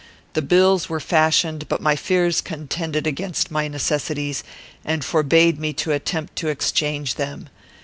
The bills were fashioned, but my fears contended against my necessities, and forbade me to attempt to exchange them.